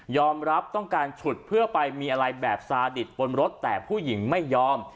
รับต้องการฉุดเพื่อไปมีอะไรแบบซาดิตบนรถแต่ผู้หญิงไม่ยอม